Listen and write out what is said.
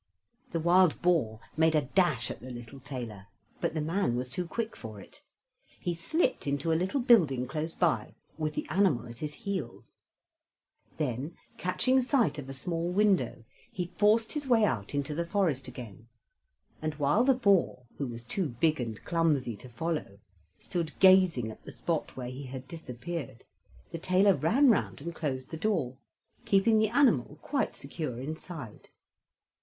The wild boar made a dash at the little tailor; but the man was too quick for it. He slipped into a little building close by, with the animal at his heels. Then, catching sight of a small window, he forced his way out into the forest again, and while the boar, who was too big and clumsy to follow, stood gazing at the spot where he had disappeared, the tailor ran round and closed the door, keeping the animal quite secure inside.